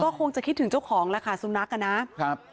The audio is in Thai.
คงจะคิดถึงเจ้าของแล้วค่ะสุนัขอ่ะนะครับ